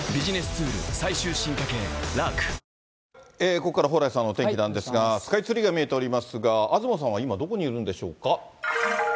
ここから蓬莱さんのお天気なんですが、スカイツリーが見えておりますが、東さんは、今どこにいるんでしょうか。